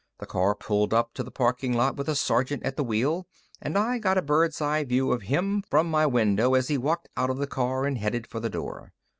The car pulled up to the parking lot with a sergeant at the wheel, and I got a bird's eye view of him from my window as he got out of the car and headed for the door.